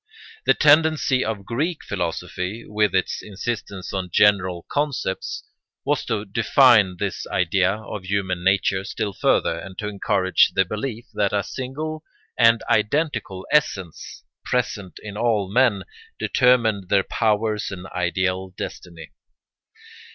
The tendency of Greek philosophy, with its insistence on general concepts, was to define this idea of human nature still further and to encourage the belief that a single and identical essence, present in all men, determined their powers and ideal destiny.